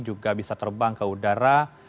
juga bisa terbang ke udara